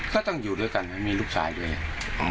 ก็ต้องอยู่ด้วยกันมีลูกสาวด้วยอ๋อครับ